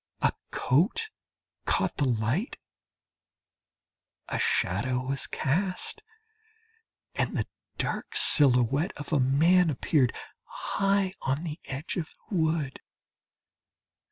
A coat caught the light, a shadow was cast, and the dark silhouette of a man appeared high on the edge of the wood.